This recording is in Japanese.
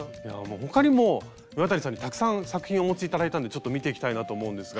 他にも岩谷さんにたくさん作品をお持ち頂いたんでちょっと見ていきたいなと思うんですが。